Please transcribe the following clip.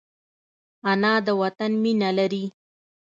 انا د وطن مینه لري